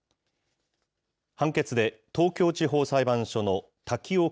判決で東京地方裁判所の瀧岡